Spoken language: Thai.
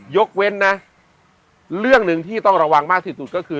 ยกเว้นนะเรื่องหนึ่งที่ต้องระวังมากที่สุดก็คือ